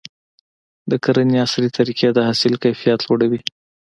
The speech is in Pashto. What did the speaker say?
د کرنې عصري طریقې د حاصل کیفیت لوړوي.